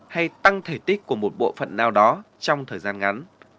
hay tăng thể tích của một bộ phận nào đó trong thời gian ngắn